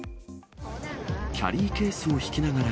キャリーケースを引きながら